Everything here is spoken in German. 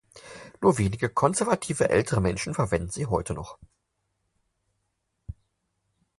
Nur wenige konservative ältere Menschen verwenden sie heute noch.